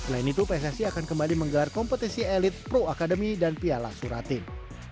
selain itu pssi akan kembali menggelar kompetisi elit pro akademi dan piala suratin